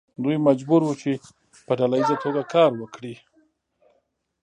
دوی مجبور وو چې په ډله ایزه توګه کار وکړي.